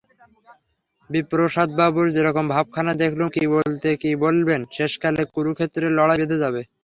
বিপ্রদাসবাবুর যেরকম ভাবখানা দেখলুম কী বলতে কী বলবেন, শেষকালে কুরুক্ষেত্রের লড়াই বেধে যাবে।